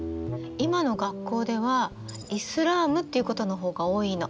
今の学校ではイスラームっていうことの方が多いの。